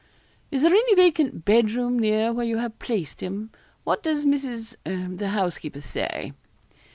'Is there any vacant bed room near where you have placed him? What does Mrs. the housekeeper, say?'